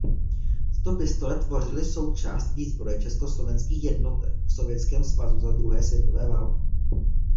Tyto pistole tvořily součást výzbroje československých jednotek v Sovětském svazu za druhé světové války.